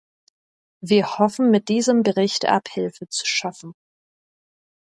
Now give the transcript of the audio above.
Wir hoffen, mit diesem Bericht Abhilfe zu schaffen.